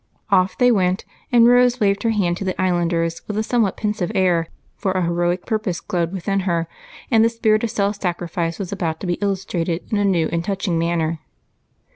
Off they went, and Rose waved her hand to the islanders with a somewhat pensive air, for an heroic purpose glowed within her, and the spirit of ROSE'S SACRIFICE. Ill self sacrifice was about to be illustrated in a new and touching manner.